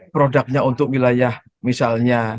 produknya untuk wilayah misalnya